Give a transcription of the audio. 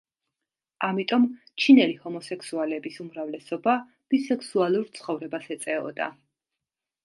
ამიტომ, ჩინელი ჰომოსექსუალების უმრავლესობა ბისექსუალურ ცხოვრებას ეწეოდა.